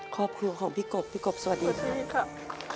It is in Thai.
ครอบครัวของพี่กบพี่กบสวัสดีพี่ครับ